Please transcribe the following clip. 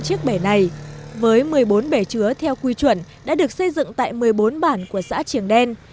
chiếc bể này với một mươi bốn bể chứa theo quy chuẩn đã được xây dựng tại một mươi bốn bản của xã triềng đen